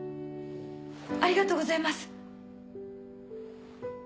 ありがとうございます！